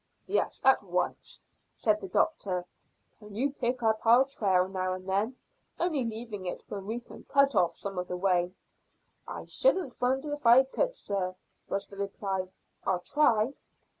"Yes, at once," said the doctor. "Can you pick up our trail now and then, only leaving it when we can cut off some of the way?" "I shouldn't wonder if I could, sir," was the reply. "I'll try."